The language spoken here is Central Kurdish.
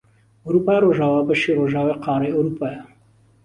ئەوروپای ڕۆژئاوا بەشی ڕۆژئاوای قاڕەی ئەوروپایە